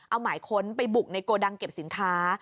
เอาหมายค้นไปบุกในโกดังเก็บสินค้า